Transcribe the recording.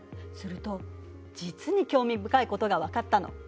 すると実に興味深いことが分かったの。